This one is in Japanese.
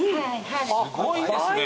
すごいですね。